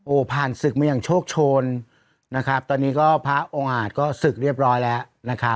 ผ่านศึกมาอย่างโชคโชนนะครับตอนนี้ก็พระองค์อาจก็ศึกเรียบร้อยแล้วนะครับ